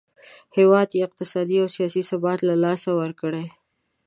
هیواد یې اقتصادي او سیاسي ثبات له لاسه ورکړی.